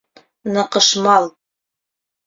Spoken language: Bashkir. НЫҠЫШМАЛ